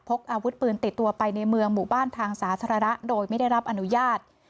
กอาวุธปืนติดตัวไปในเมืองหมู่บ้านทางสาธารณะโดยไม่ได้รับอนุญาต